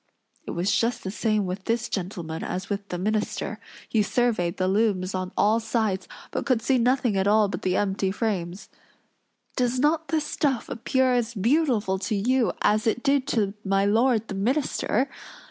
It was just the same with this gentleman as with the minister; he surveyed the looms on all sides, but could see nothing at all but the empty frames. "Does not the stuff appear as beautiful to you, as it did to my lord the minister?"